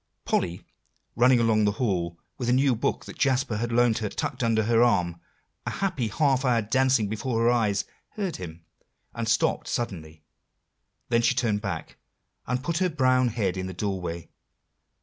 Polly, running along the hall, with a new book that Jasper had loaned her tucked under her arm, a happy half hour dancing before her eyes, heard him, and stopped suddenly, then she turned back, and put her brown head in the doorway.